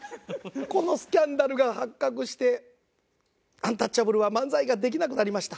このスキャンダルが発覚してアンタッチャブルは漫才ができなくなりました。